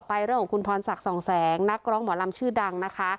ต่อไปขั้นไปของคุณพรศักดิ์สองแสงนักร้องหมดลำชื่อดังแล้ว